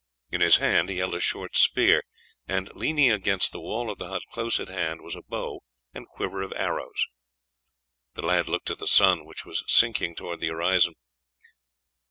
In his hand he held a short spear, and leaning against the wall of the hut close at hand was a bow and quiver of arrows. The lad looked at the sun, which was sinking towards the horizon.